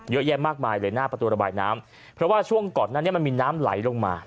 เยอะแยะมากมายเลยหน้าประตูระบายน้ำเพราะว่าช่วงก่อนนั้นเนี่ยมันมีน้ำไหลลงมา